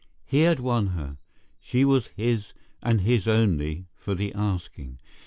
He had won her; she was his and his only, for the asking.